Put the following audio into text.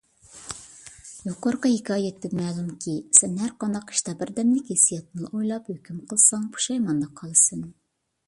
يۇقىرىقى ھېكايەتتىن مەلۇمكى، سەن ھەرقانداق ئىشتا بىردەملىك ھېسسىياتنىلا ئويلاپ، ھۆكۈم قىلساڭ پۇشايماندا قالىسەن.